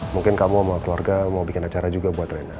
mungkin kamu sama keluarga mau bikin acara juga buat rena